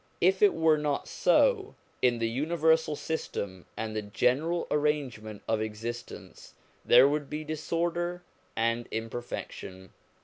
If it were not so, in the universal system and the general arrange ment of existence, there would be disorder and imper fection.